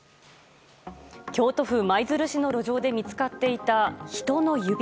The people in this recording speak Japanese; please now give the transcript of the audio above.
京都府舞鶴市の路上で見つかっていた人の指。